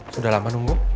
sudah lama nunggu